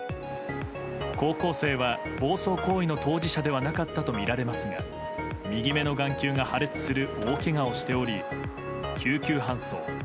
高校生は暴走行為の当事者ではなかったとみられますが右目の眼球が破裂する大けがをしており救急搬送。